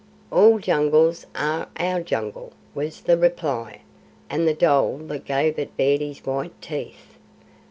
"All Jungles are our Jungle," was the reply, and the dhole that gave it bared his white teeth.